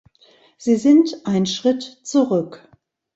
Sie sind ein Schritt zurück.